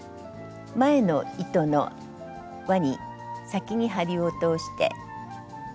前の糸のわに先に針を通して。